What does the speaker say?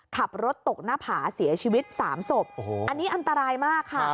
ขับรถตกหน้าผาเสียชีวิตสามศพโอ้โหอันนี้อันตรายมากค่ะ